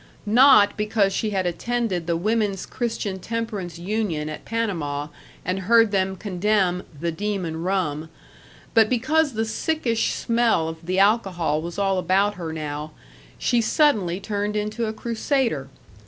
Not because she had attended the Women's Christian Temperance Union at Panama and heard them condemn "the demon rum," but because the sickish smell of the alcohol was all about her now, she suddenly turned into a crusader.